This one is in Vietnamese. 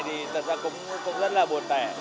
thì thật ra cũng rất là buồn tẻ